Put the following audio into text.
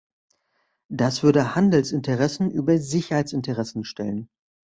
Das würde Handelsinteressen über Sicherheitsinteressen stellen.